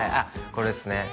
これですね